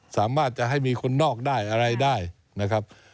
สามารถจะให้มีคนนอกได้อะไรได้นะครับ